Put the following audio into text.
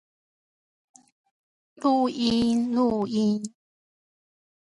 出國請先經權責機關核准